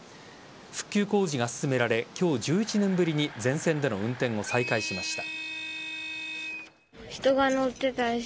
復旧工事が進められ今日、１１年ぶりに全線での運転を再開しました。